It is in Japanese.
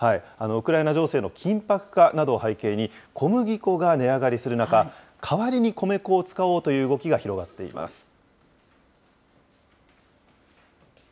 ウクライナ情勢の緊迫化などを背景に、小麦粉が値上がりする中、代わりに米粉を使おうという動きが広がっています。